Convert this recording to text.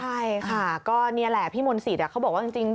ใช่ค่ะก็นี่แหละพี่มนต์สิทธิ์เขาบอกว่าจริง